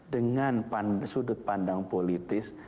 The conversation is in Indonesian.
dengan sudut pandang politis